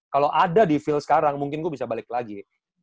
kalau ada di feel sekarang mungkin gue bisa balik lagi